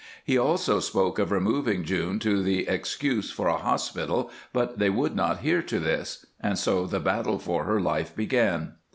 He also spoke of removing June to the excuse for a hospital, but they would not hear to this. And so the battle for her life began.